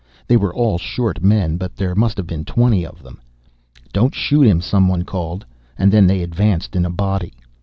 They were all short men, but there must have been twenty of them. "Don't shoot him," someone called. And then they advanced in a body.